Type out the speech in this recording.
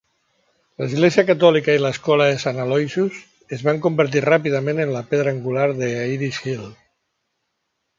L'Església catòlica i l'escola de Saint Aloysus es van convertir ràpidament en la pedra angular de Irish Hill.